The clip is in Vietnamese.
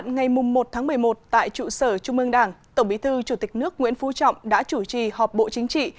ngày một một mươi một tại trụ sở trung ương đảng tổng bí thư chủ tịch nước nguyễn phú trọng đã chủ trì họp bộ chính trị